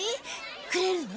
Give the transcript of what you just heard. くれるの？